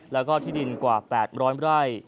แล้วก็ที่ดินกว่า๘๐๐ไร่